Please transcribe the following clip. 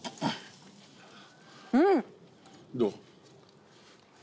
うん！どう？